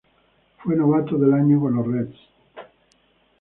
Fue Novato del año con los Reds.